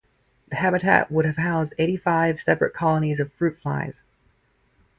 The habitat would have housed eighty-five separate colonies of fruit flies.